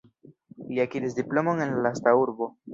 Li akiris diplomon en la lasta urbo.